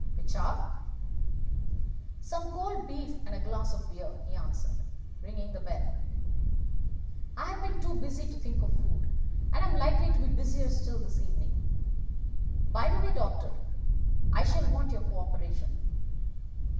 "Which are?" "Some cold beef and a glass of beer," he answered, ringing the bell. "I have been too busy to think of food, and I am likely to be busier still this evening. By the way, doctor, I shall want your co operation."